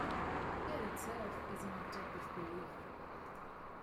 It, itself, is an object of belief.